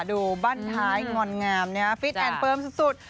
ดูบ้านท้ายงอนงามนะฮะฟิตแอนดเฟิร์มสุด